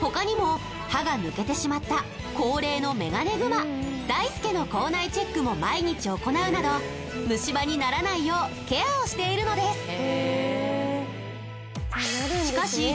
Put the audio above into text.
他にも歯が抜けてしまった高齢のメガネグマダイスケの口内チェックも毎日行うなど虫歯にならないようケアをしているのですしかし